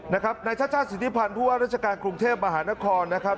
นายชาติชาติสิทธิพันธ์ผู้ว่าราชการกรุงเทพมหานครนะครับ